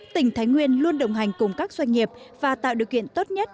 tỉnh thái nguyên luôn đồng hành cùng các doanh nghiệp và tạo điều kiện tốt nhất